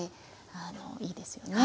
あのいいですよね。